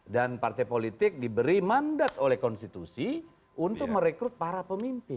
dan partai politik diberi mandat oleh konstitusi untuk merekrut para pemimpin